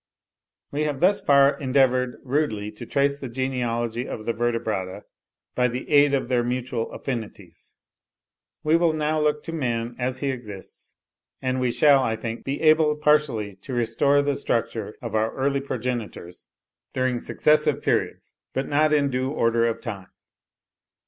We have thus far endeavoured rudely to trace the genealogy of the Vertebrata by the aid of their mutual affinities. We will now look to man as he exists; and we shall, I think, be able partially to restore the structure of our early progenitors, during successive periods, but not in due order of time.